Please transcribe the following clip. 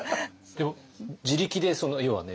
でも自力で要はね